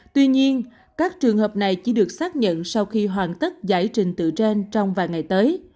tuy nhiên các trường hợp này chỉ được xác nhận sau khi hoàn tất giải trình tự trên trong vài ngày tới